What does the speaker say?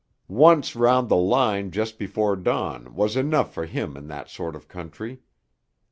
Once round the line just before dawn was enough for him in that sort of country.